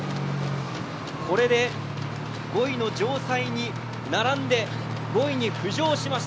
これで５位の城西に並んで、５位に浮上しました。